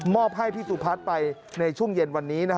อบให้พี่สุพัฒน์ไปในช่วงเย็นวันนี้